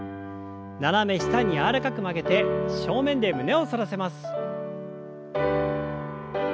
斜め下に柔らかく曲げて正面で胸を反らせます。